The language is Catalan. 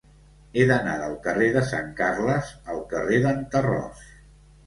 He d'anar del carrer de Sant Carles al carrer d'en Tarròs.